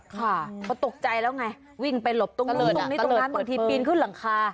เขาตกใจแล้วไงวิ่งไปหลบตรงนี้ตรงนั้นบางทีปีนขึ้นหลังคา